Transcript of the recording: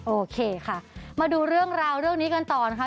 โอเคค่ะมาดูเรื่องราวเรื่องนี้กันต่อนะคะ